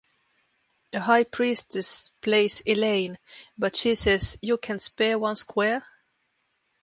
A high priestess plays Elaine, but she says You can't spare one square?